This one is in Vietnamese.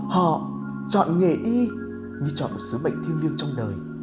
họ chọn nghề y như chọn một sứ mệnh thiêng liêng trong đời